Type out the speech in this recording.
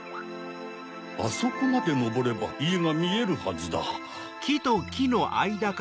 あそこまでのぼればいえがみえるはずだ。